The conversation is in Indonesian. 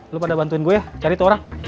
lo pada bantuin gue ya cari tuh orang